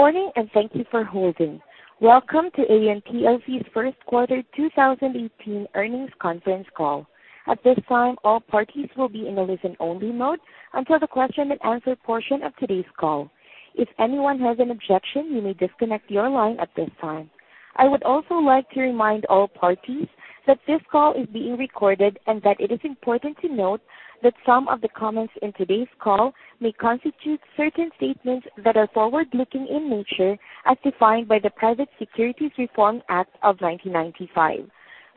Good morning, and thank you for holding. Welcome to Aon plc's first quarter 2018 earnings conference call. At this time, all parties will be in a listen-only mode until the question and answer portion of today's call. If anyone has an objection, you may disconnect your line at this time. I would also like to remind all parties that this call is being recorded and that it is important to note that some of the comments in today's call may constitute certain statements that are forward-looking in nature, as defined by the Private Securities Litigation Reform Act of 1995.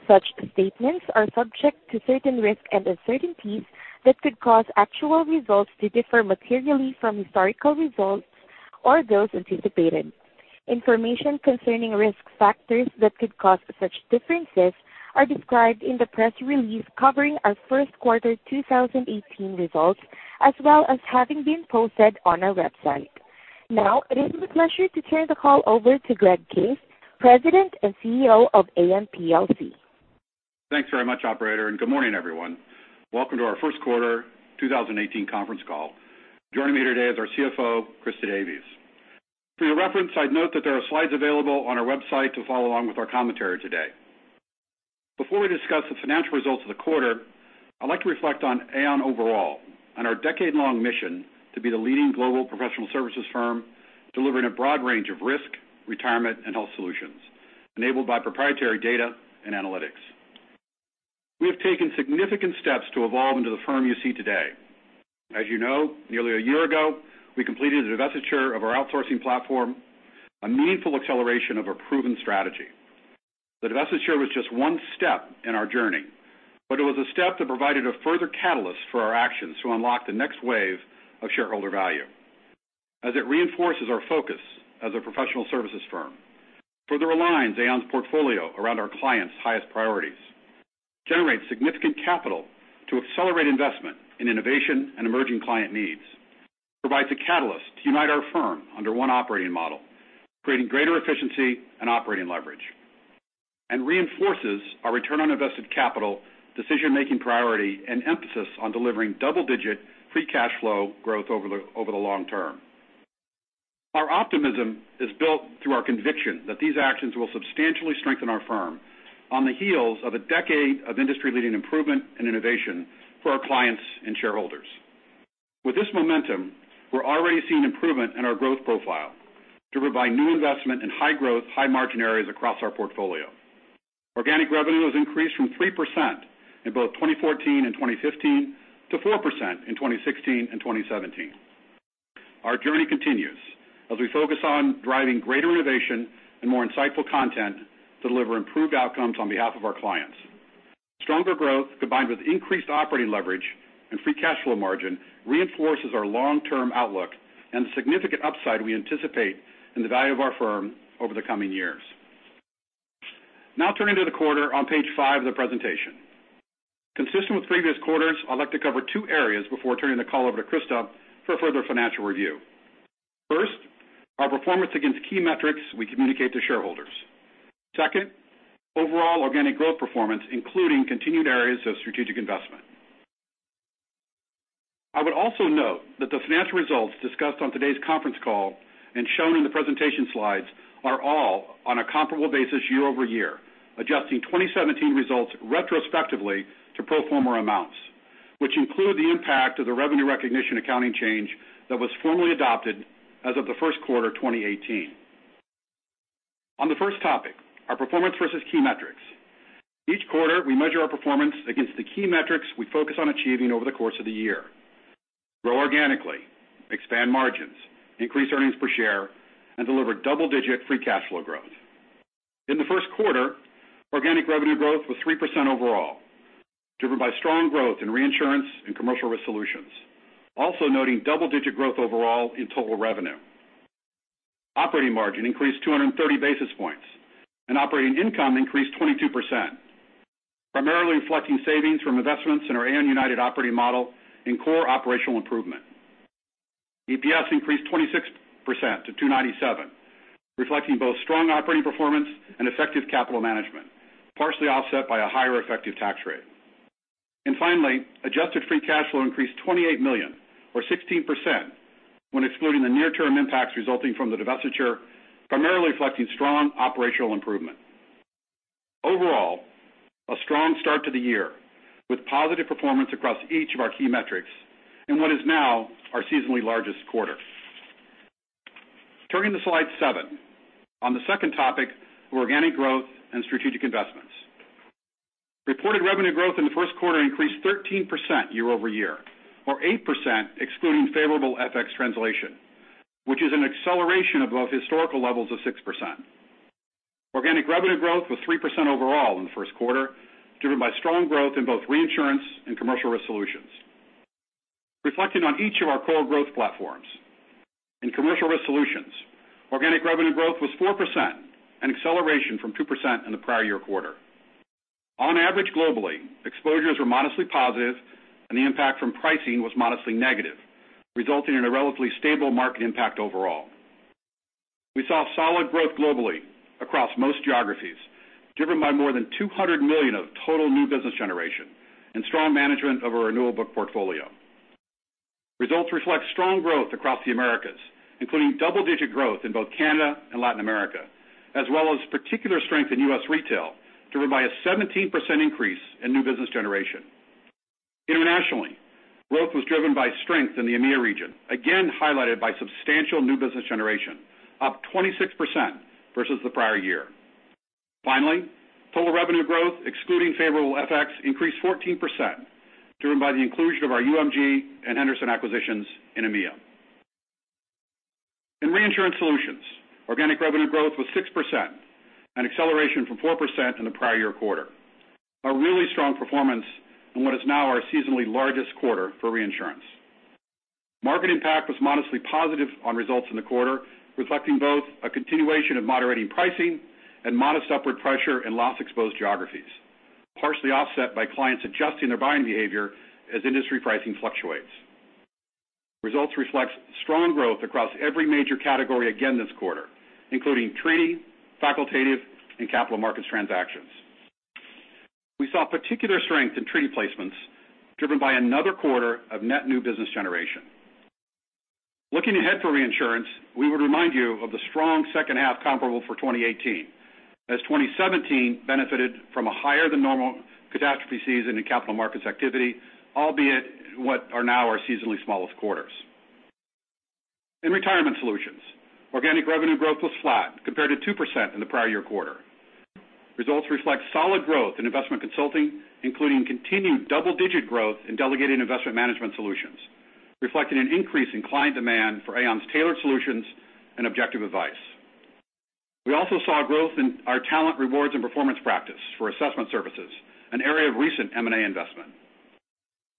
Such statements are subject to certain risks and uncertainties that could cause actual results to differ materially from historical results or those anticipated. Information concerning risk factors that could cause such differences are described in the press release covering our first quarter 2018 results, as well as having been posted on our website. Now, it is my pleasure to turn the call over to Greg Case, President and CEO of Aon plc. Thanks very much, operator. Good morning, everyone. Welcome to our first quarter 2018 conference call. Joining me today is our CFO, Christa Davies. For your reference, I'd note that there are slides available on our website to follow along with our commentary today. Before we discuss the financial results of the quarter, I'd like to reflect on Aon overall and our decade-long mission to be the leading global professional services firm, delivering a broad range of risk, retirement, and health solutions enabled by proprietary data and analytics. We have taken significant steps to evolve into the firm you see today. As you know, nearly a year ago, we completed the divestiture of our outsourcing platform, a meaningful acceleration of a proven strategy. The divestiture was just one step in our journey. It was a step that provided a further catalyst for our actions to unlock the next wave of shareholder value, as it reinforces our focus as a professional services firm. Further aligns Aon's portfolio around our clients' highest priorities. Generates significant capital to accelerate investment in innovation and emerging client needs. Provides a catalyst to unite our firm under one operating model, creating greater efficiency and operating leverage. Reinforces our return on invested capital decision-making priority and emphasis on delivering double-digit free cash flow growth over the long term. Our optimism is built through our conviction that these actions will substantially strengthen our firm on the heels of a decade of industry-leading improvement and innovation for our clients and shareholders. With this momentum, we're already seeing improvement in our growth profile to provide new investment in high growth, high margin areas across our portfolio. Organic revenue has increased from 3% in both 2014 and 2015 to 4% in 2016 and 2017. Our journey continues as we focus on driving greater innovation and more insightful content to deliver improved outcomes on behalf of our clients. Stronger growth, combined with increased operating leverage and free cash flow margin, reinforces our long-term outlook and the significant upside we anticipate in the value of our firm over the coming years. Turning to the quarter on page five of the presentation. Consistent with previous quarters, I'd like to cover two areas before turning the call over to Christa for a further financial review. First, our performance against key metrics we communicate to shareholders. Second, overall organic growth performance, including continued areas of strategic investment. I would also note that the financial results discussed on today's conference call and shown in the presentation slides are all on a comparable basis year-over-year, adjusting 2017 results retrospectively to pro forma amounts, which include the impact of the revenue recognition accounting change that was formally adopted as of the first quarter 2018. On the first topic, our performance versus key metrics. Each quarter, we measure our performance against the key metrics we focus on achieving over the course of the year. Grow organically, expand margins, increase earnings per share, and deliver double-digit free cash flow growth. In the first quarter, organic revenue growth was 3% overall, driven by strong growth in Reinsurance Solutions and Commercial Risk Solutions. Also noting double-digit growth overall in total revenue. Operating margin increased 230 basis points, and operating income increased 22%, primarily reflecting savings from investments in our Aon United operating model and core operational improvement. EPS increased 26% to $2.97, reflecting both strong operating performance and effective capital management, partially offset by a higher effective tax rate. Finally, adjusted free cash flow increased $28 million or 16% when excluding the near-term impacts resulting from the divestiture, primarily reflecting strong operational improvement. Overall, a strong start to the year, with positive performance across each of our key metrics in what is now our seasonally largest quarter. Turning to slide seven. On the second topic, organic growth and strategic investments. Reported revenue growth in the first quarter increased 13% year-over-year, or 8% excluding favorable FX translation, which is an acceleration above historical levels of 6%. Organic revenue growth was 3% overall in the first quarter, driven by strong growth in both Reinsurance Solutions and Commercial Risk Solutions. Reflecting on each of our core growth platforms. In Commercial Risk Solutions, organic revenue growth was 4%, an acceleration from 2% in the prior year quarter. On average globally, exposures were modestly positive and the impact from pricing was modestly negative, resulting in a relatively stable market impact overall. We saw solid growth globally across most geographies. Driven by more than $200 million of total new business generation and strong management of our renewal book portfolio. Results reflect strong growth across the Americas, including double-digit growth in both Canada and Latin America, as well as particular strength in U.S. retail, driven by a 17% increase in new business generation. Internationally, growth was driven by strength in the EMEIA region, again highlighted by substantial new business generation, up 26% versus the prior year. Finally, total revenue growth, excluding favorable FX, increased 14%, driven by the inclusion of our UMG and Henderson acquisitions in EMEIA. In Reinsurance Solutions, organic revenue growth was 6%, an acceleration from 4% in the prior year quarter, a really strong performance in what is now our seasonally largest quarter for reinsurance. Market impact was modestly positive on results in the quarter, reflecting both a continuation of moderating pricing and modest upward pressure in loss-exposed geographies, partially offset by clients adjusting their buying behavior as industry pricing fluctuates. Results reflects strong growth across every major category again this quarter, including treaty, facultative, and capital markets transactions. We saw particular strength in treaty placements driven by another quarter of net new business generation. Looking ahead for reinsurance, we would remind you of the strong second half comparable for 2018, as 2017 benefited from a higher than normal catastrophe season in capital markets activity, albeit what are now our seasonally smallest quarters. In Retirement Solutions, organic revenue growth was flat compared to 2% in the prior year quarter. Results reflect solid growth in investment consulting, including continued double-digit growth in delegated investment management solutions, reflecting an increase in client demand for Aon's tailored solutions and objective advice. We also saw growth in our talent rewards and performance practice for assessment services, an area of recent M&A investment.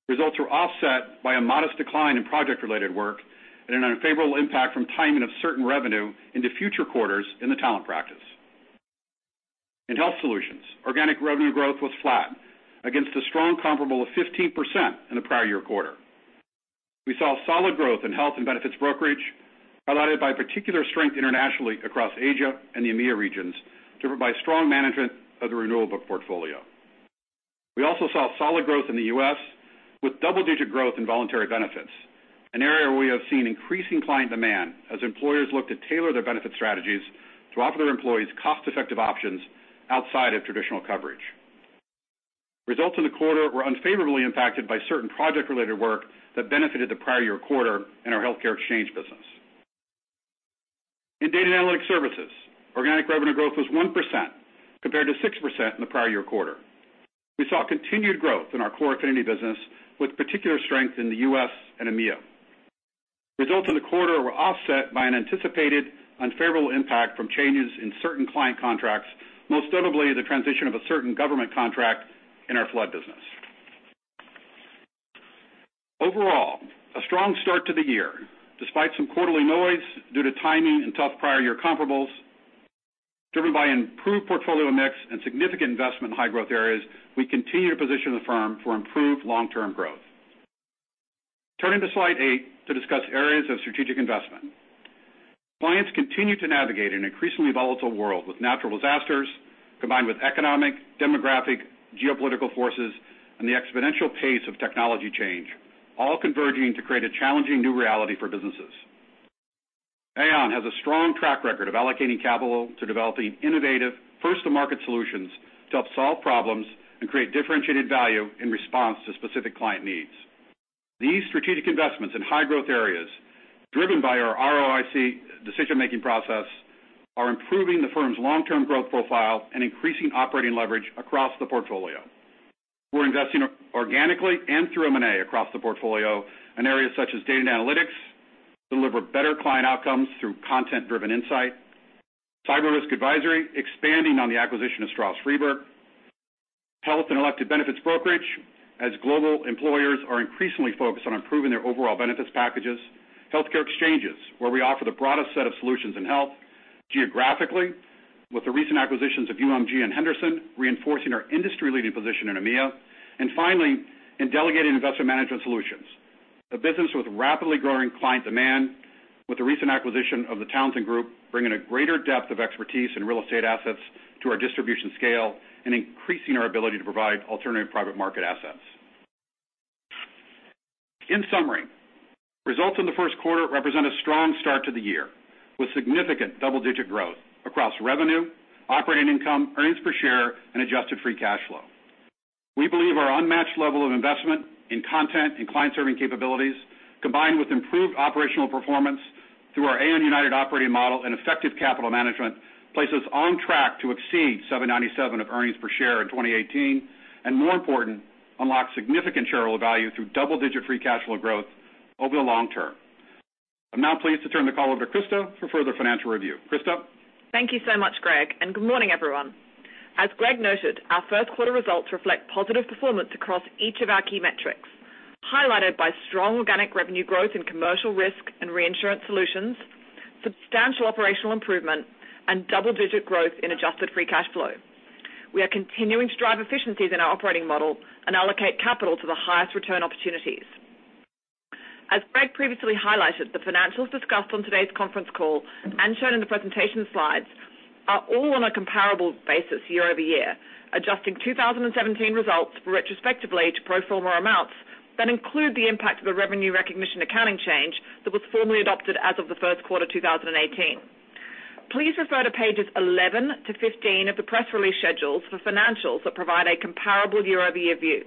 Results were offset by a modest decline in project-related work and an unfavorable impact from timing of certain revenue into future quarters in the talent practice. In Health Solutions, organic revenue growth was flat against a strong comparable of 15% in the prior year quarter. We saw solid growth in health and benefits brokerage highlighted by particular strength internationally across Asia and the EMEIA regions, driven by strong management of the renewal book portfolio. We also saw solid growth in the U.S. with double-digit growth in voluntary benefits, an area where we have seen increasing client demand as employers look to tailor their benefit strategies to offer their employees cost-effective options outside of traditional coverage. Results in the quarter were unfavorably impacted by certain project-related work that benefited the prior year quarter in our healthcare exchange business. In Data & Analytics Services, organic revenue growth was 1% compared to 6% in the prior year quarter. We saw continued growth in our core affinity business with particular strength in the U.S. and EMEIA. Results in the quarter were offset by an anticipated unfavorable impact from changes in certain client contracts, most notably the transition of a certain government contract in our flood business. Overall, a strong start to the year, despite some quarterly noise due to timing and tough prior year comparables. Driven by improved portfolio mix and significant investment in high growth areas, we continue to position the firm for improved long-term growth. Turning to slide eight to discuss areas of strategic investment. Clients continue to navigate an increasingly volatile world with natural disasters combined with economic, demographic, geopolitical forces, and the exponential pace of technology change, all converging to create a challenging new reality for businesses. Aon has a strong track record of allocating capital to developing innovative first-to-market solutions to help solve problems and create differentiated value in response to specific client needs. These strategic investments in high growth areas, driven by our ROIC decision-making process, are improving the firm's long-term growth profile and increasing operating leverage across the portfolio. We're investing organically and through M&A across the portfolio in areas such as Data & Analytics, deliver better client outcomes through content-driven insight, cyber risk advisory, expanding on the acquisition of Stroz Friedberg, health and elected benefits brokerage, as global employers are increasingly focused on improving their overall benefits packages, healthcare exchanges, where we offer the broadest set of solutions in health geographically with the recent acquisitions of UMG and Henderson, reinforcing our industry-leading position in EMEIA, and finally in delegated investment management solutions, a business with rapidly growing client demand with the recent acquisition of The Townsend Group, bringing a greater depth of expertise in real estate assets to our distribution scale and increasing our ability to provide alternative private market assets. In summary, results in the first quarter represent a strong start to the year with significant double-digit growth across revenue, operating income, earnings per share, and adjusted free cash flow. We believe our unmatched level of investment in content and client-serving capabilities, combined with improved operational performance through our Aon United operating model and effective capital management, places us on track to exceed $7.97 of earnings per share in 2018 and, more important, unlock significant shareholder value through double-digit free cash flow growth over the long term. I'm now pleased to turn the call over to Christa for further financial review. Christa? Thank you so much, Greg, and good morning, everyone. As Greg noted, our first quarter results reflect positive performance across each of our key metrics, highlighted by strong organic revenue growth in Commercial Risk Solutions and Reinsurance Solutions, substantial operational improvement, and double-digit growth in adjusted free cash flow. We are continuing to drive efficiencies in our operating model and allocate capital to the highest return opportunities. As Greg previously highlighted, the financials discussed on today's conference call and shown in the presentation slides are all on a comparable basis year-over-year, adjusting 2017 results retrospectively to pro forma amounts that include the impact of the revenue recognition accounting change that was formally adopted as of the first quarter 2018. Please refer to pages 11 to 15 of the press release schedules for financials that provide a comparable year-over-year view.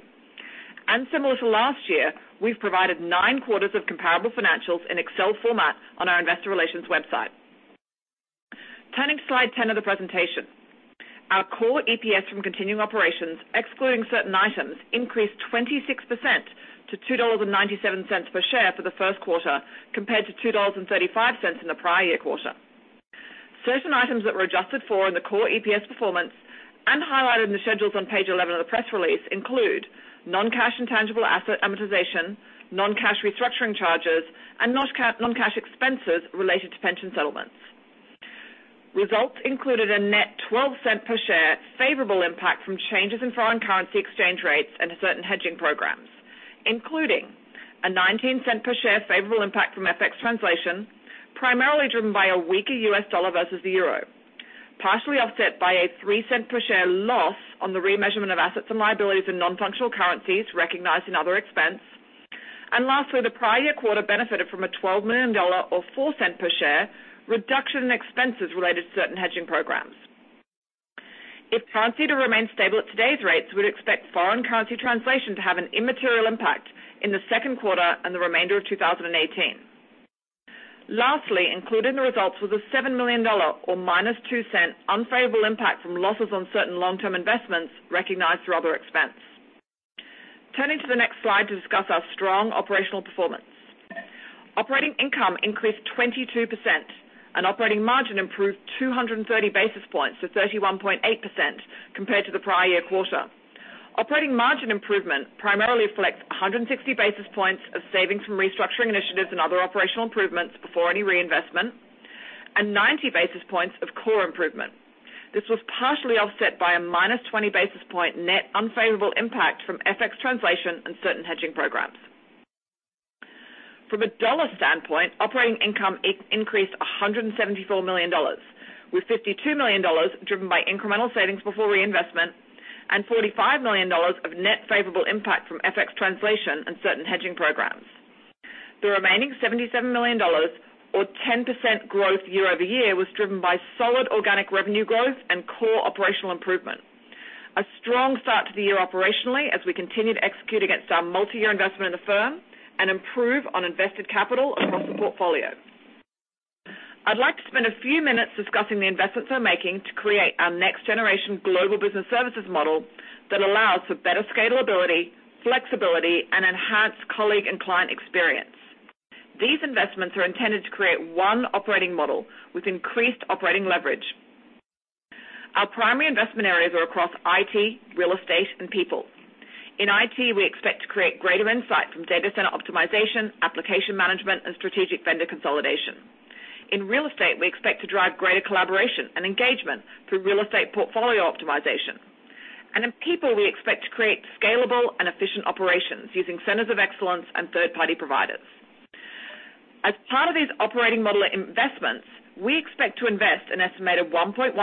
Similar to last year, we've provided nine quarters of comparable financials in Excel format on our investor relations website. Turning to slide 10 of the presentation. Our core EPS from continuing operations, excluding certain items, increased 26% to $2.97 per share for the first quarter, compared to $2.35 in the prior year quarter. Certain items that were adjusted for in the core EPS performance and highlighted in the schedules on page 11 of the press release include non-cash intangible asset amortization, non-cash restructuring charges, and non-cash expenses related to pension settlements. Results included a net $0.12 per share favorable impact from changes in foreign currency exchange rates and certain hedging programs, including a $0.19 per share favorable impact from FX translation, primarily driven by a weaker US dollar versus the euro, partially offset by a $0.03 per share loss on the remeasurement of assets and liabilities in non-functional currencies recognized in other expense. Lastly, the prior year quarter benefited from a $12 million or $0.04 per share reduction in expenses related to certain hedging programs. If currency were to remain stable at today's rates, we'd expect foreign currency translation to have an immaterial impact in the second quarter and the remainder of 2018. Lastly, included in the results was a $7 million, or -$0.02 unfavorable impact from losses on certain long-term investments recognized through other expense. Turning to the next slide to discuss our strong operational performance. Operating income increased 22%, and operating margin improved 230 basis points to 31.8% compared to the prior year quarter. Operating margin improvement primarily reflects 160 basis points of savings from restructuring initiatives and other operational improvements before any reinvestment and 90 basis points of core improvement. This was partially offset by a -20 basis point net unfavorable impact from FX translation and certain hedging programs. From a dollar standpoint, operating income increased $174 million, with $52 million driven by incremental savings before reinvestment and $45 million of net favorable impact from FX translation and certain hedging programs. The remaining $77 million, or 10% growth year-over-year, was driven by solid organic revenue growth and core operational improvement. A strong start to the year operationally as we continue to execute against our multi-year investment in the firm and improve on invested capital across the portfolio. I'd like to spend a few minutes discussing the investments we're making to create our next generation global business services model that allows for better scalability, flexibility, and enhanced colleague and client experience. These investments are intended to create one operating model with increased operating leverage. Our primary investment areas are across IT, real estate, and people. In IT, we expect to create greater insight from data center optimization, application management, and strategic vendor consolidation. In real estate, we expect to drive greater collaboration and engagement through real estate portfolio optimization. In people, we expect to create scalable and efficient operations using centers of excellence and third-party providers. As part of these operating model investments, we expect to invest an estimated $1.175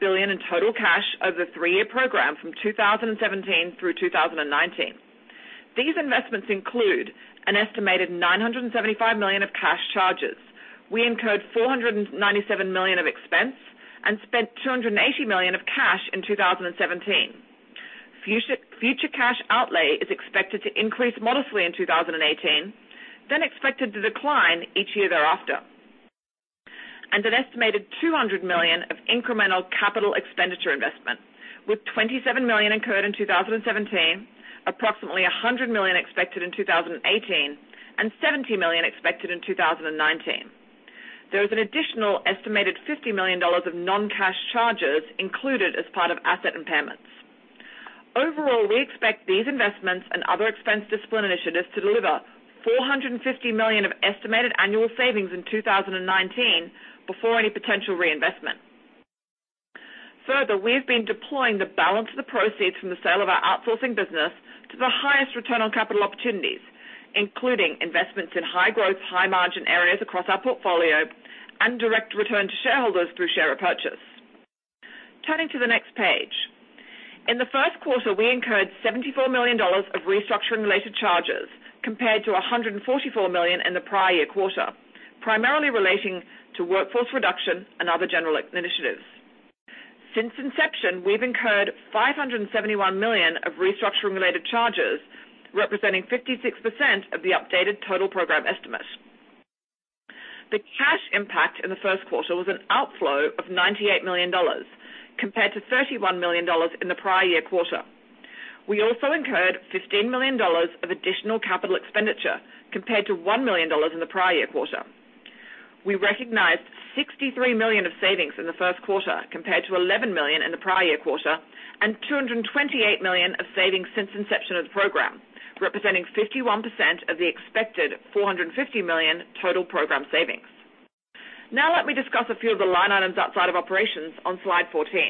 billion in total cash over the three-year program from 2017 through 2019. These investments include an estimated $975 million of cash charges. We incurred $497 million of expense and spent $280 million of cash in 2017. Future cash outlay is expected to increase modestly in 2018, then expected to decline each year thereafter. An estimated $200 million of incremental capital expenditure investment, with $27 million incurred in 2017, approximately $100 million expected in 2018, and $70 million expected in 2019. There is an additional estimated $50 million of non-cash charges included as part of asset impairments. Overall, we expect these investments and other expense discipline initiatives to deliver $450 million of estimated annual savings in 2019 before any potential reinvestment. Further, we have been deploying the balance of the proceeds from the sale of our outsourcing business to the highest return on capital opportunities, including investments in high growth, high margin areas across our portfolio and direct return to shareholders through share repurchase. Turning to the next page. In the first quarter, we incurred $74 million of restructuring-related charges, compared to $144 million in the prior year quarter, primarily relating to workforce reduction and other general initiatives. Since inception, we've incurred $571 million of restructuring-related charges, representing 56% of the updated total program estimate. The cash impact in the first quarter was an outflow of $98 million, compared to $31 million in the prior year quarter. We also incurred $15 million of additional capital expenditure, compared to $1 million in the prior year quarter. Let me discuss a few of the line items outside of operations on slide 14.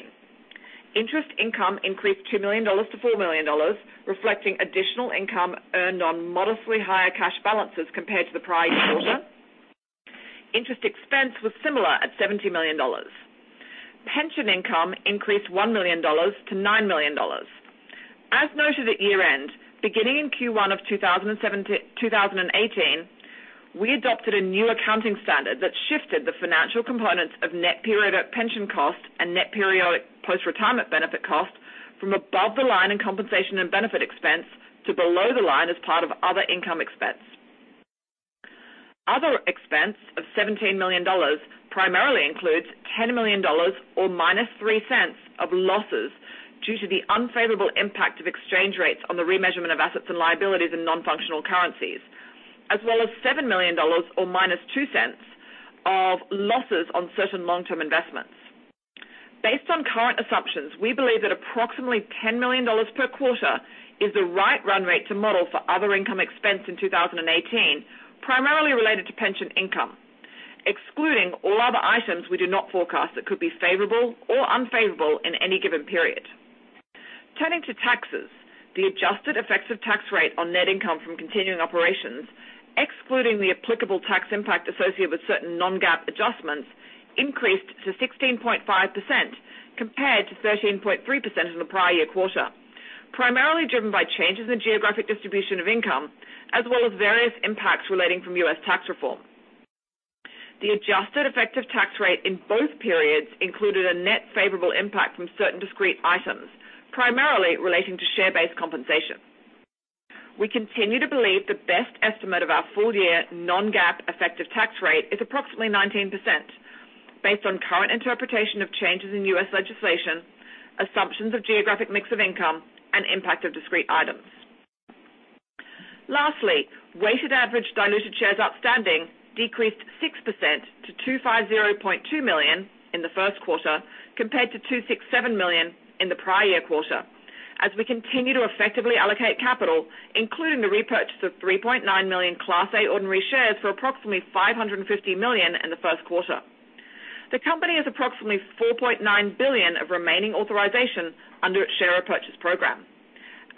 Interest income increased $2 million to $4 million, reflecting additional income earned on modestly higher cash balances compared to the prior year quarter. Interest expense was similar at $70 million. Pension income increased $1 million to $9 million. As noted at year-end, beginning in Q1 of 2018, we adopted a new accounting standard that shifted the financial components of net periodic pension cost and net periodic post-retirement benefit cost from above the line in compensation and benefit expense to below the line as part of other income expense. Other expense of $17 million primarily includes $10 million, or -$0.03, of losses due to the unfavorable impact of exchange rates on the remeasurement of assets and liabilities in non-functional currencies, as well as $7 million, or -$0.02, of losses on certain long-term investments. Based on current assumptions, we believe that approximately $10 million per quarter is the right run rate to model for other income expense in 2018, primarily related to pension income. Excluding all other items, we do not forecast that could be favorable or unfavorable in any given period. Turning to taxes, the adjusted effective tax rate on net income from continuing operations, excluding the applicable tax impact associated with certain non-GAAP adjustments, increased to 16.5% compared to 13.3% in the prior year quarter, primarily driven by changes in geographic distribution of income as well as various impacts relating from U.S. tax reform. The adjusted effective tax rate in both periods included a net favorable impact from certain discrete items, primarily relating to share-based compensation. We continue to believe the best estimate of our full-year non-GAAP effective tax rate is approximately 19%, based on current interpretation of changes in U.S. legislation, assumptions of geographic mix of income, and impact of discrete items. Lastly, weighted average diluted shares outstanding decreased 6% to 250.2 million in the first quarter compared to 267 million in the prior year quarter, as we continue to effectively allocate capital, including the repurchase of 3.9 million Class A ordinary shares for approximately $550 million in the first quarter. The company has approximately $4.9 billion of remaining authorization under its share repurchase program.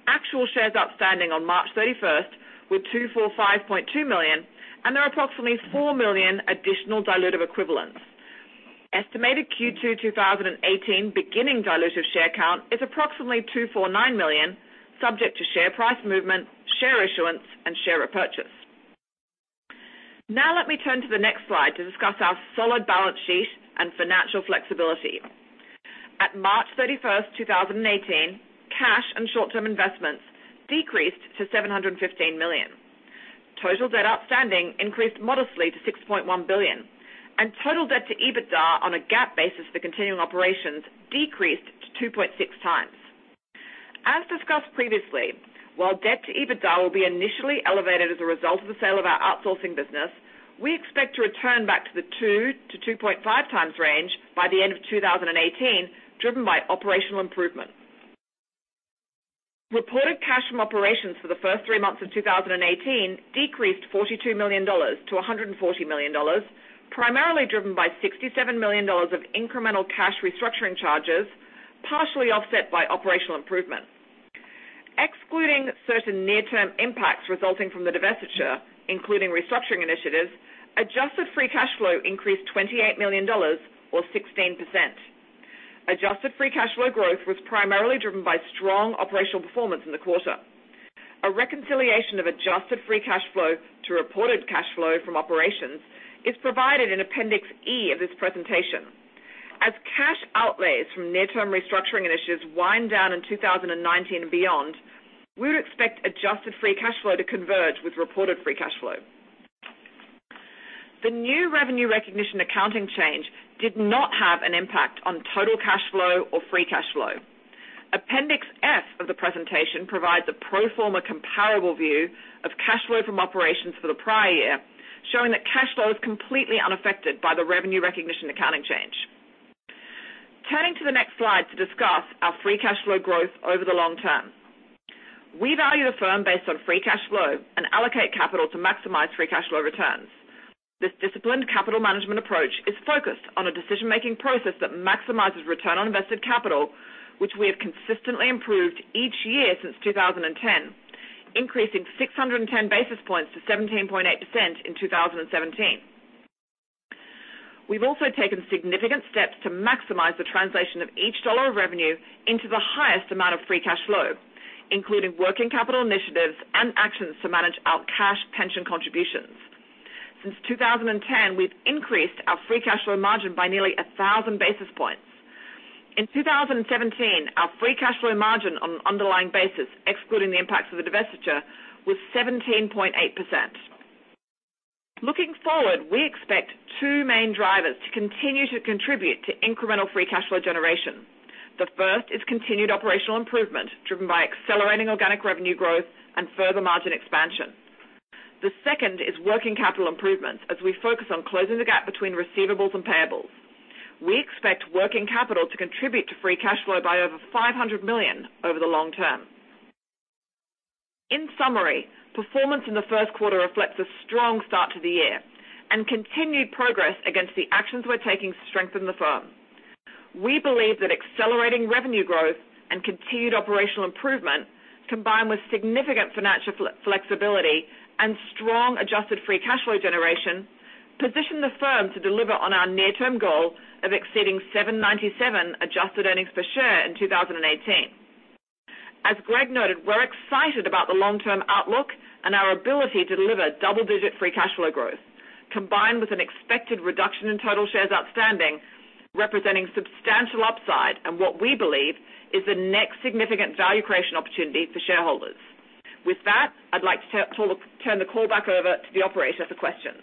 Actual shares outstanding on March 31st were 245.2 million, and there are approximately 4 million additional dilutive equivalents. Estimated Q2 2018 beginning dilutive share count is approximately 249 million, subject to share price movement, share issuance, and share repurchase. Let me turn to the next slide to discuss our solid balance sheet and financial flexibility. At March 31st, 2018, cash and short-term investments decreased to $715 million. Total debt outstanding increased modestly to $6.1 billion. Total debt to EBITDA on a GAAP basis for continuing operations decreased to 2.6 times. As discussed previously, while debt to EBITDA will be initially elevated as a result of the sale of our outsourcing business, we expect to return back to the 2-2.5 times range by the end of 2018, driven by operational improvement. Reported cash from operations for the first three months of 2018 decreased $42 million to $140 million, primarily driven by $67 million of incremental cash restructuring charges, partially offset by operational improvements. Excluding certain near-term impacts resulting from the divestiture, including restructuring initiatives, adjusted free cash flow increased $28 million or 16%. Adjusted free cash flow growth was primarily driven by strong operational performance in the quarter. A reconciliation of adjusted free cash flow to reported cash flow from operations is provided in Appendix E of this presentation. As cash outlays from near-term restructuring initiatives wind down in 2019 and beyond, we would expect adjusted free cash flow to converge with reported free cash flow. The new revenue recognition accounting change did not have an impact on total cash flow or free cash flow. Appendix F of the presentation provides a pro forma comparable view of cash flow from operations for the prior year, showing that cash flow is completely unaffected by the revenue recognition accounting change. Turning to the next slide to discuss our free cash flow growth over the long term. We value the firm based on free cash flow and allocate capital to maximize free cash flow returns. This disciplined capital management approach is focused on a decision-making process that maximizes return on invested capital, which we have consistently improved each year since 2010, increasing 610 basis points to 17.8% in 2017. We've also taken significant steps to maximize the translation of each dollar of revenue into the highest amount of free cash flow, including working capital initiatives and actions to manage our cash pension contributions. Since 2010, we've increased our free cash flow margin by nearly 1,000 basis points. In 2017, our free cash flow margin on an underlying basis, excluding the impacts of the divestiture, was 17.8%. Looking forward, we expect two main drivers to continue to contribute to incremental free cash flow generation. The first is continued operational improvement, driven by accelerating organic revenue growth and further margin expansion. The second is working capital improvements as we focus on closing the gap between receivables and payables. We expect working capital to contribute to free cash flow by over $500 million over the long term. In summary, performance in the first quarter reflects a strong start to the year and continued progress against the actions we're taking to strengthen the firm. We believe that accelerating revenue growth and continued operational improvement, combined with significant financial flexibility and strong adjusted free cash flow generation, position the firm to deliver on our near-term goal of exceeding 797 adjusted earnings per share in 2018. As Greg noted, we're excited about the long-term outlook and our ability to deliver double-digit free cash flow growth, combined with an expected reduction in total shares outstanding, representing substantial upside and what we believe is the next significant value creation opportunity for shareholders. With that, I'd like to turn the call back over to the operator for questions.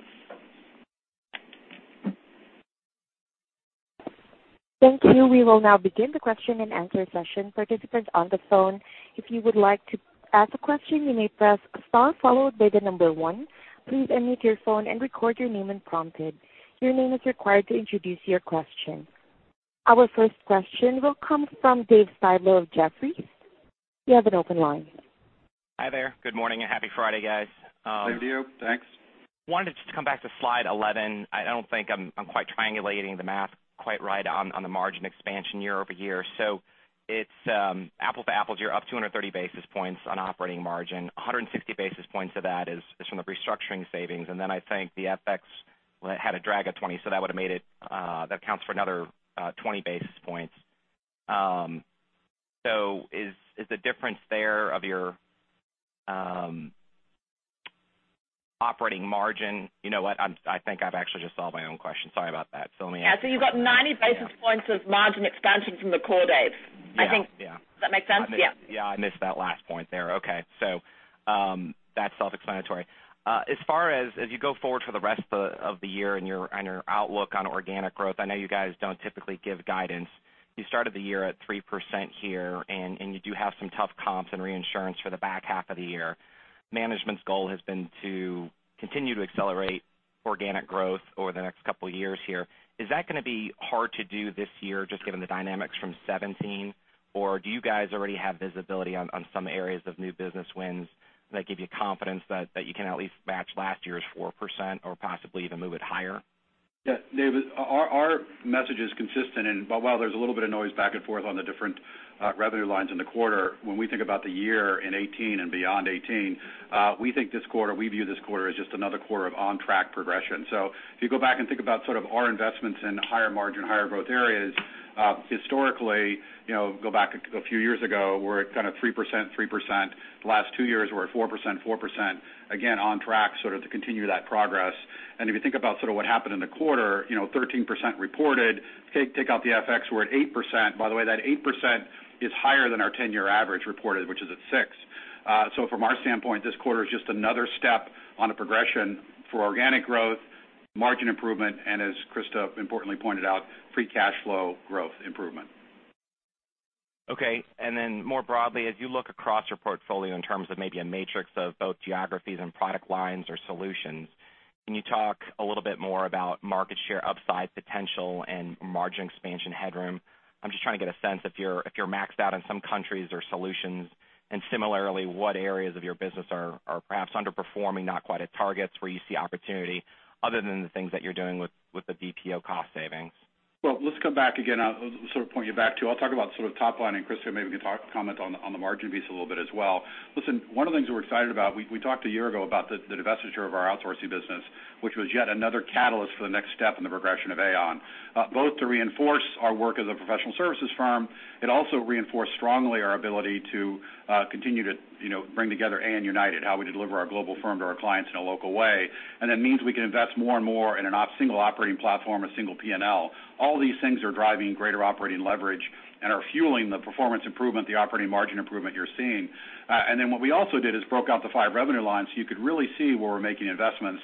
Thank you. We will now begin the question and answer session. Participants on the phone, if you would like to ask a question, you may press star followed by the number 1. Please unmute your phone and record your name when prompted. Your name is required to introduce your question. Our first question will come from David Styblo of Jefferies. You have an open line. Hi there. Good morning, and happy Friday, guys. Same to you. Thanks. Wanted to just come back to slide 11. I don't think I'm quite triangulating the math quite right on the margin expansion year-over-year. It's apples to apples, you're up 230 basis points on operating margin, 160 basis points of that is from the restructuring savings, and then I think the FX had a drag of 20. That accounts for another 20 basis points. Is the difference there of your operating margin? You know what? I think I've actually just solved my own question. Sorry about that. Yeah. You've got 90 basis points of margin expansion from the core, Dave. Yeah. Does that make sense? Yeah. Yeah, I missed that last point there. Okay. That's self-explanatory. As far as as you go forward for the rest of the year and your outlook on organic growth, I know you guys don't typically give guidance. You started the year at 3% here, and you do have some tough comps in reinsurance for the back half of the year. Management's goal has been to continue to accelerate organic growth over the next couple of years here. Is that going to be hard to do this year, just given the dynamics from 2017? Or do you guys already have visibility on some areas of new business wins that give you confidence that you can at least match last year's 4% or possibly even move it higher? Yeah. While there's a little bit of noise back and forth on the different revenue lines in the quarter, when we think about the year in 2018 and beyond 2018, we view this quarter as just another quarter of on-track progression. If you go back and think about sort of our investments in higher margin, higher growth areas, historically, go back a few years ago, we're at kind of 3%-3%. The last two years we were at 4%-4%. Again, on track sort of to continue that progress. If you think about sort of what happened in the quarter, 13% reported, take out the FX, we're at 8%. By the way, that 8% is higher than our 10-year average reported, which is at 6%. From our standpoint, this quarter is just another step on a progression for organic growth, margin improvement, and as Christa importantly pointed out, free cash flow growth improvement. Okay. Then more broadly, as you look across your portfolio in terms of maybe a matrix of both geographies and product lines or solutions, can you talk a little bit more about market share upside potential and margin expansion headroom? I'm just trying to get a sense if you're maxed out in some countries or solutions. Similarly, what areas of your business are perhaps underperforming, not quite at targets where you see opportunity other than the things that you're doing with the BPO cost savings? Well, let's come back again. I'll sort of point you back to, I'll talk about sort of top line, and Christa maybe can comment on the margin piece a little bit as well. Listen, one of the things we're excited about, we talked a year ago about the divestiture of our outsourcing business, which was yet another catalyst for the next step in the progression of Aon. Both to reinforce our work as a professional services firm. It also reinforced strongly our ability to continue to bring together Aon United, how we deliver our global firm to our clients in a local way. That means we can invest more and more in a single operating platform, a single P&L. All these things are driving greater operating leverage and are fueling the performance improvement, the operating margin improvement you're seeing. What we also did is broke out the five revenue lines so you could really see where we're making investments.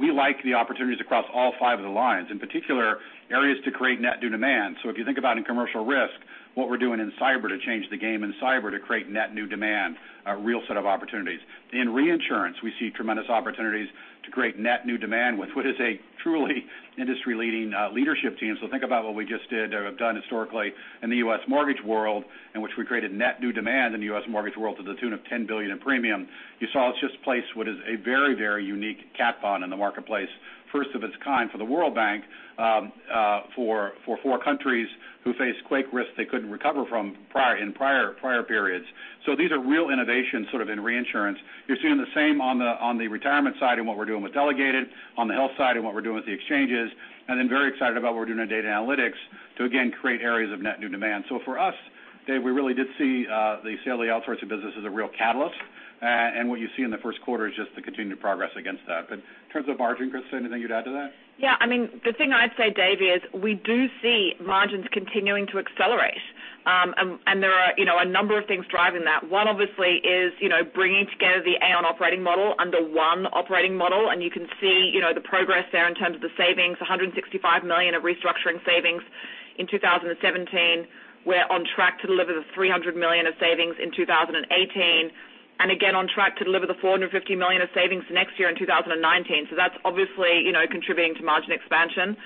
We like the opportunities across all five of the lines. In particular, areas to create net new demand. If you think about in Commercial Risk Solutions, what we're doing in cyber to change the game in cyber to create net new demand, a real set of opportunities. In Reinsurance Solutions, we see tremendous opportunities to create net new demand with what is a truly industry-leading leadership team. Think about what we just did or have done historically in the U.S. mortgage world, in which we created net new demand in the U.S. mortgage world to the tune of $10 billion in premium. You saw us just place what is a very, very unique cat bond in the marketplace, first of its kind for the World Bank for four countries who face quake risks they couldn't recover from in prior periods. These are real innovations sort of in Reinsurance Solutions. You're seeing the same on the Retirement Solutions side and what we're doing with delegated, on the Health Solutions side and what we're doing with the exchanges, and then very excited about what we're doing in Data & Analytics Services to again create areas of net new demand. For us, Dave, we really did see the sale of the outsourcing business as a real catalyst. What you see in the first quarter is just the continued progress against that. In terms of margin, Christa, anything you'd add to that? The thing I'd say, Dave, is we do see margins continuing to accelerate. There are a number of things driving that. One obviously is bringing together the Aon operating model under one operating model, and you can see the progress there in terms of the savings, $165 million of restructuring savings in 2017. We're on track to deliver the $300 million of savings in 2018. Again, on track to deliver the $450 million of savings next year in 2019. That's obviously contributing to margin expansion.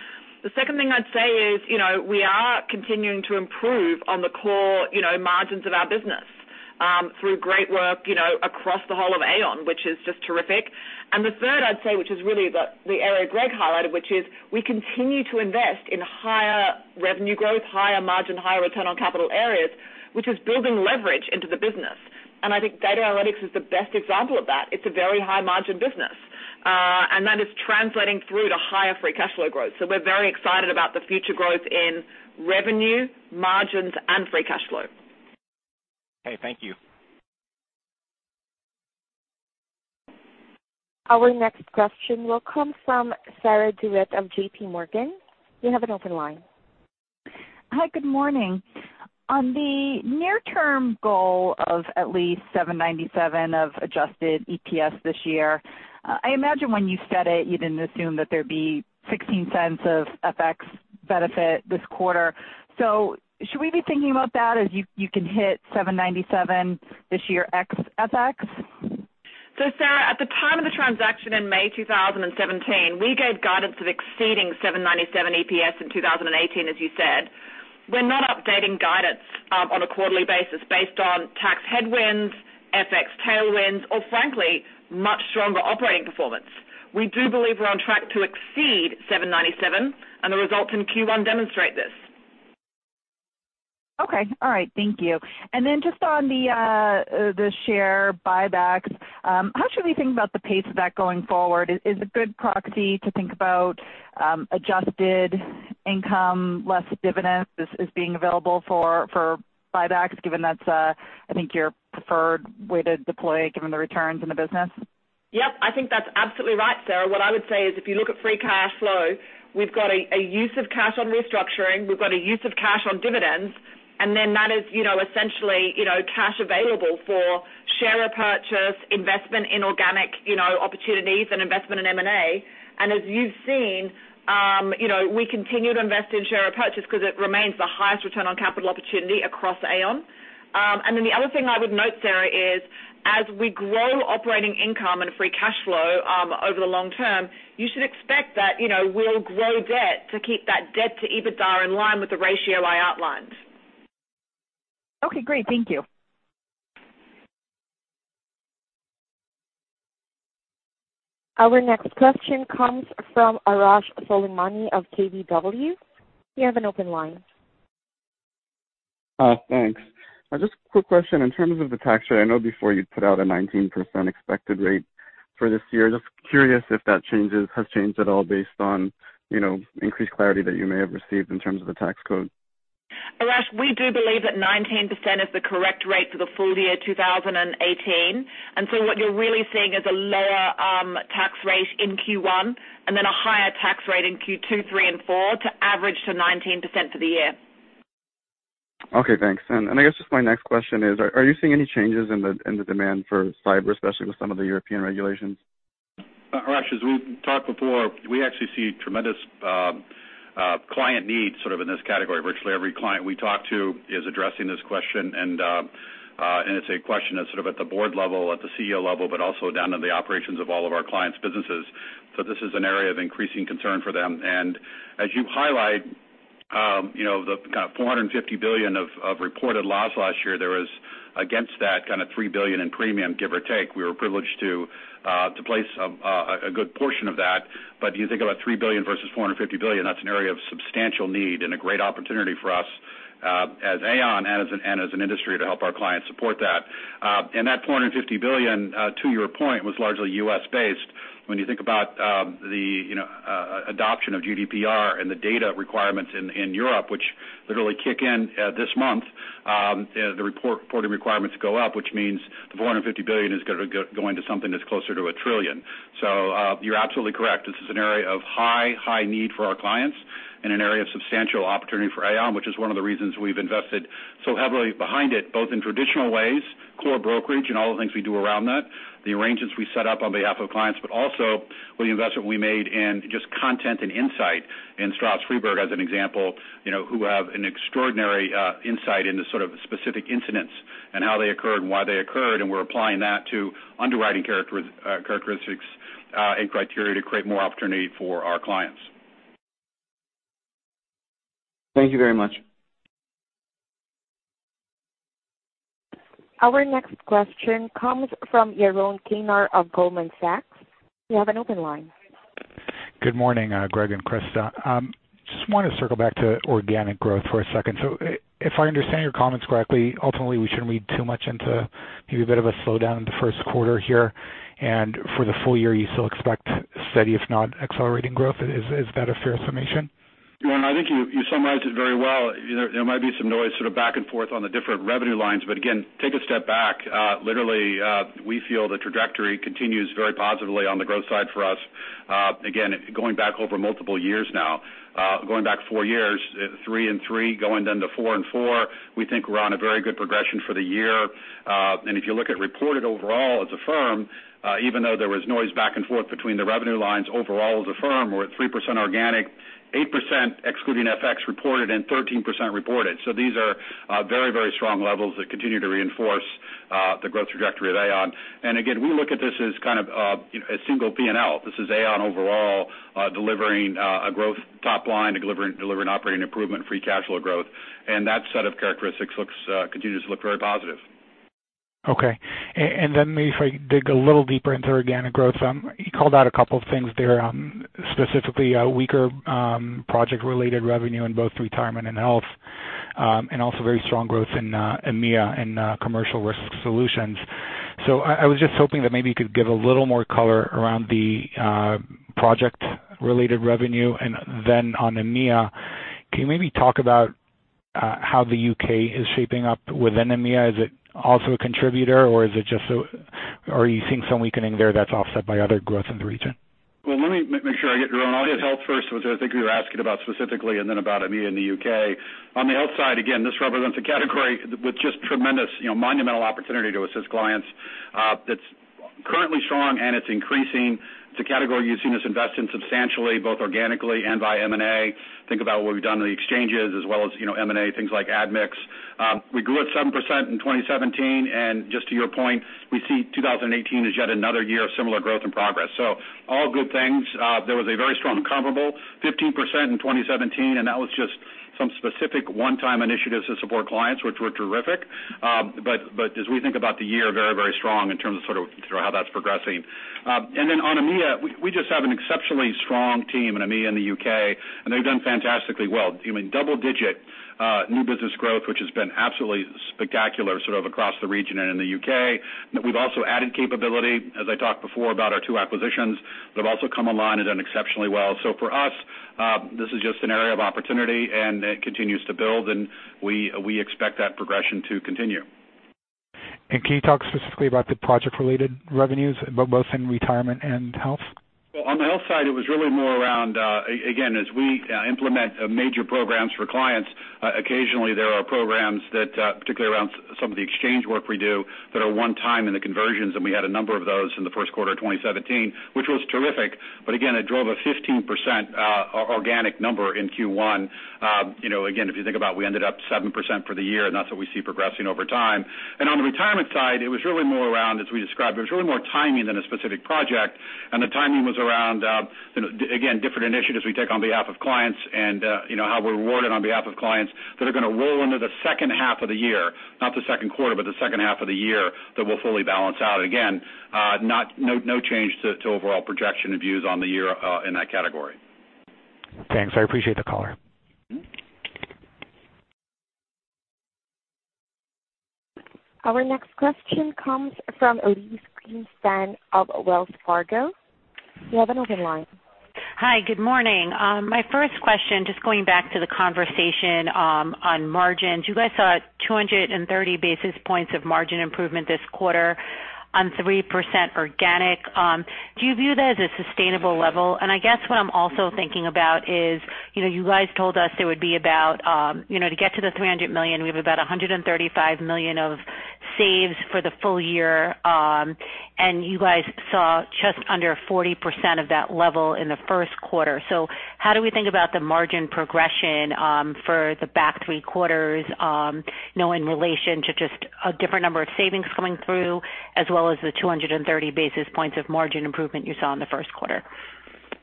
The second thing I'd say is, we are continuing to improve on the core margins of our business through great work across the whole of Aon, which is just terrific. The third, I'd say, which is really the area Greg highlighted, which is we continue to invest in higher revenue growth, higher margin, higher return on capital areas, which is building leverage into the business. I think Data & Analytics Services is the best example of that. It's a very high margin business, that is translating through to higher free cash flow growth. We're very excited about the future growth in revenue, margins, and free cash flow. Okay. Thank you. Our next question will come from Sarah DeWitt of J.P. Morgan. You have an open line. Hi, good morning. On the near-term goal of at least 797 of adjusted EPS this year, I imagine when you said it, you didn't assume that there'd be $0.16 of FX benefit this quarter. Should we be thinking about that as you can hit 797 this year ex FX? Sarah, at the time of the transaction in May 2017, we gave guidance of exceeding 797 EPS in 2018, as you said. We're not updating guidance on a quarterly basis based on tax headwinds, FX tailwinds, or frankly, much stronger operating performance. We do believe we're on track to exceed 797, and the results in Q1 demonstrate this. Okay. All right. Thank you. Then just on the share buybacks, how should we think about the pace of that going forward? Is a good proxy to think about adjusted income less dividends as being available for buybacks, given that's, I think, your preferred way to deploy, given the returns in the business? Yep. I think that's absolutely right, Sarah. What I would say is if you look at free cash flow, we've got a use of cash on restructuring, we've got a use of cash on dividends, and then that is essentially cash available for share repurchase, investment in organic opportunities and investment in M&A. As you've seen, we continue to invest in share repurchase because it remains the highest return on capital opportunity across Aon. Then the other thing I would note, Sarah, is as we grow operating income and free cash flow over the long term, you should expect that we'll grow debt to keep that debt to EBITDA in line with the ratio I outlined. Okay, great. Thank you. Our next question comes from Arash Soleimani of KBW. You have an open line. Thanks. Just a quick question. In terms of the tax rate, I know before you put out a 19% expected rate for this year. Just curious if that has changed at all based on increased clarity that you may have received in terms of the tax code. Arash, we do believe that 19% is the correct rate for the full year 2018. What you're really seeing is a lower tax rate in Q1, and then a higher tax rate in Q2, three and four to average to 19% for the year. Okay, thanks. I guess just my next question is, are you seeing any changes in the demand for cyber, especially with some of the European regulations? Arash, as we've talked before, we actually see tremendous client need sort of in this category. Virtually every client we talk to is addressing this question. It's a question that's sort of at the board level, at the CEO level, but also down to the operations of all of our clients' businesses. This is an area of increasing concern for them. As you highlight, the kind of $450 billion of reported loss last year, there was against that kind of $3 billion in premium, give or take. We were privileged to place a good portion of that. If you think about $3 billion versus $450 billion, that's an area of substantial need and a great opportunity for us as Aon and as an industry to help our clients support that. That $450 billion, to your point, was largely U.S.-based. When you think about the adoption of GDPR and the data requirements in Europe, which literally kick in this month, the reporting requirements go up, which means the $450 billion is going to go into something that's closer to $1 trillion. You're absolutely correct. This is an area of high need for our clients and an area of substantial opportunity for Aon, which is one of the reasons we've invested so heavily behind it, both in traditional ways, core brokerage, and all the things we do around that, the arrangements we set up on behalf of clients, but also with the investment we made in just content and insight in Stroz Friedberg as an example who have an extraordinary insight into sort of specific incidents and how they occurred and why they occurred. We're applying that to underwriting characteristics and criteria to create more opportunity for our clients. Thank you very much. Our next question comes from Yaron Kinar of Goldman Sachs. You have an open line. Good morning, Greg and Christa. Just wanted to circle back to organic growth for a second. If I understand your comments correctly, ultimately, we shouldn't read too much into maybe a bit of a slowdown in the first quarter here. For the full year, you still expect steady, if not accelerating growth. Is that a fair assumption? Yaron, I think you summarized it very well. Again, take a step back. Literally, we feel the trajectory continues very positively on the growth side for us. Again, going back over multiple years now, going back four years, three and three, going then to four and four, we think we're on a very good progression for the year. If you look at reported overall as a firm, even though there was noise back and forth between the revenue lines overall as a firm, we're at 3% organic, 8% excluding FX reported and 13% reported. These are very strong levels that continue to reinforce the growth trajectory of Aon. Again, we look at this as kind of a single P&L. This is Aon overall delivering a growth top line, delivering operating improvement, free cash flow growth. That set of characteristics continues to look very positive. Okay. Then maybe if I dig a little deeper into organic growth. You called out a couple of things there, specifically weaker project-related revenue in both retirement and health, and also very strong growth in EMEA and Commercial Risk Solutions. I was just hoping that maybe you could give a little more color around the project-related revenue. Then on EMEA, can you maybe talk about how the U.K. is shaping up within EMEA? Is it also a contributor, or are you seeing some weakening there that's offset by other growth in the region? Well, let me make sure I get your Aon Health first, which I think you're asking about specifically, then about EMEA and the U.K. On the health side, again, this represents a category with just tremendous, monumental opportunity to assist clients. That's currently strong and it's increasing. It's a category you've seen us invest in substantially, both organically and by M&A. Think about what we've done in the exchanges as well as M&A, things like Admix. We grew at 7% in 2017, and just to your point, we see 2018 as yet another year of similar growth and progress. All good things. There was a very strong comparable 15% in 2017, that was just some specific one-time initiatives to support clients, which were terrific. As we think about the year, very strong in terms of how that's progressing. On EMEA, we just have an exceptionally strong team in EMEA and the U.K., and they've done fantastically well. Double-digit new business growth, which has been absolutely spectacular across the region and in the U.K. We've also added capability, as I talked before, about our two acquisitions that have also come online and done exceptionally well. For us, this is just an area of opportunity, and it continues to build, and we expect that progression to continue. Can you talk specifically about the project-related revenues, both in Retirement and Health? On the Health side, it was really more around, again, as we implement major programs for clients, occasionally there are programs that, particularly around some of the exchange work we do, that are one time in the conversions, and we had a number of those in the first quarter of 2017, which was terrific. Again, it drove a 15% organic number in Q1. Again, if you think about it, we ended up 7% for the year, and that's what we see progressing over time. On the Retirement side, it was really more around, as we described, it was really more timing than a specific project. The timing was around, again, different initiatives we take on behalf of clients and how we're rewarded on behalf of clients that are going to roll into the second half of the year, not the second quarter, but the second half of the year, that will fully balance out. Again, no change to overall projection of views on the year in that category. Thanks. I appreciate the color. Our next question comes from Elyse Greenspan of Wells Fargo. You have an open line. Hi, good morning. My first question, just going back to the conversation on margins. You guys saw 230 basis points of margin improvement this quarter on 3% organic. Do you view that as a sustainable level? I guess what I'm also thinking about is, you guys told us it would be about, to get to the $300 million, we have about $135 million of saves for the full year. You guys saw just under 40% of that level in the first quarter. How do we think about the margin progression for the back three quarters, in relation to just a different number of savings coming through, as well as the 230 basis points of margin improvement you saw in the first quarter?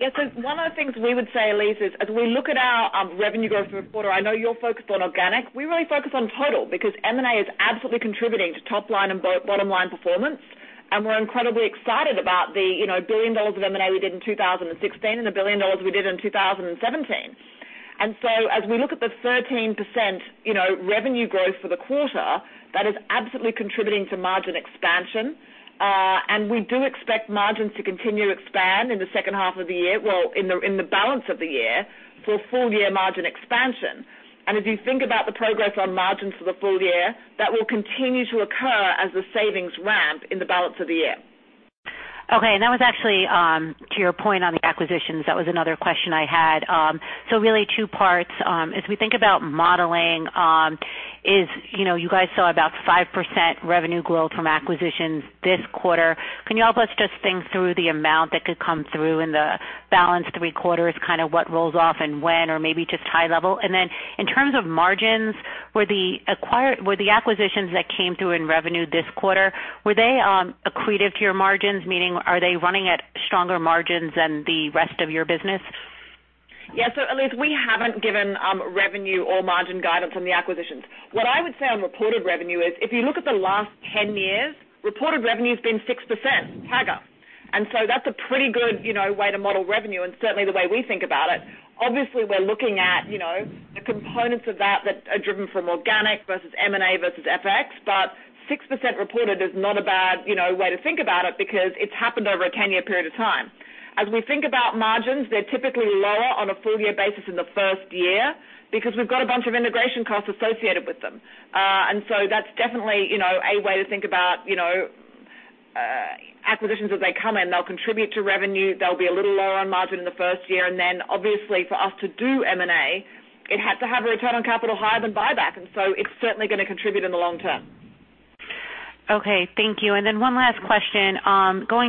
One of the things we would say, Elyse, is as we look at our revenue growth for the quarter, I know you're focused on organic. We really focus on total because M&A is absolutely contributing to top-line and bottom-line performance, and we're incredibly excited about the $1 billion of M&A we did in 2016 and the $1 billion we did in 2017. As we look at the 13% revenue growth for the quarter, that is absolutely contributing to margin expansion. We do expect margins to continue to expand in the second half of the year, well, in the balance of the year for full-year margin expansion. If you think about the progress on margins for the full year, that will continue to occur as the savings ramp in the balance of the year. Okay, that was actually to your point on the acquisitions. That was another question I had. Really two parts. As we think about modeling Aon, you guys saw about 5% revenue growth from acquisitions this quarter. Can you help us just think through the amount that could come through in the balance three quarters, what rolls off and when, or maybe just high level? Then in terms of margins, were the acquisitions that came through in revenue this quarter, were they accretive to your margins? Meaning, are they running at stronger margins than the rest of your business? Yeah. Elyse, we haven't given revenue or margin guidance on the acquisitions. What I would say on reported revenue is, if you look at the last 10 years, reported revenue's been 6% CAGR. That's a pretty good way to model revenue and certainly the way we think about it. Obviously, we're looking at the components of that that are driven from organic versus M&A versus FX, but 6% reported is not a bad way to think about it because it's happened over a 10-year period of time. As we think about margins, they're typically lower on a full-year basis in the first year because we've got a bunch of integration costs associated with them. That's definitely a way to think about acquisitions as they come in. They'll contribute to revenue. They'll be a little lower on margin in the first year. Then obviously for us to do M&A, it had to have a return on capital higher than buyback. It's certainly going to contribute in the long term. Okay. Thank you. Then one last question.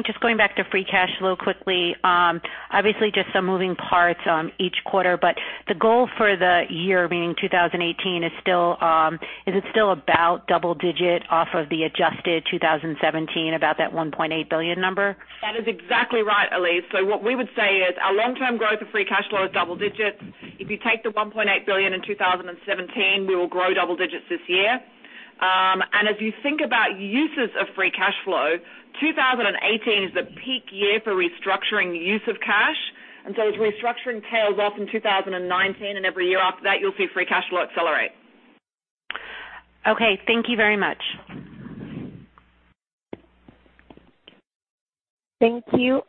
Just going back to free cash flow quickly. Obviously just some moving parts each quarter, but the goal for the year being 2018, is it still about double digit off of the adjusted 2017, about that $1.8 billion number? That is exactly right, Elyse. What we would say is our long-term growth of free cash flow is double digits. If you take the $1.8 billion in 2017, we will grow double digits this year. As you think about uses of free cash flow, 2018 is the peak year for restructuring the use of cash. As restructuring tails off in 2019 and every year after that, you'll see free cash flow accelerate. Okay. Thank you very much. Thank you.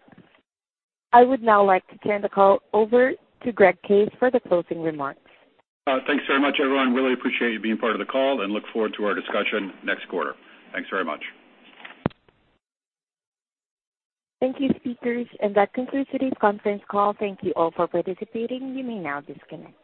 I would now like to turn the call over to Greg Case for the closing remarks. Thanks very much, everyone. Really appreciate you being part of the call and look forward to our discussion next quarter. Thanks very much. Thank you, speakers. That concludes today's conference call. Thank you all for participating. You may now disconnect.